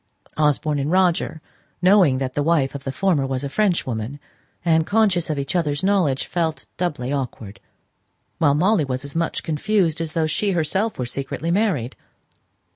Osborne and Roger knowing that the wife of the former was a Frenchwoman, and, conscious of each other's knowledge, felt doubly awkward; while Molly was as much confused as though she herself were secretly married.